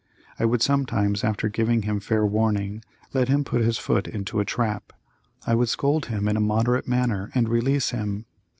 I would sometimes, after giving him fair warning, let him put his foot into a trap. I would scold him in a moderate manner and release him.